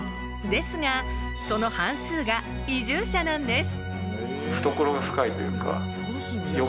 ですがその半数が移住者なんです。